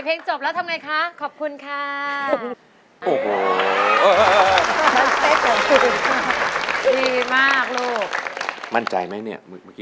ทั้งพ่อเศร้านั้นเป็นไรแต่หัวใจฉันไม่